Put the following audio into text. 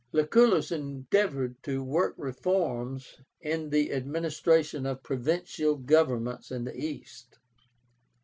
Lucullus endeavored to work reforms in the administration of provincial governments in the East.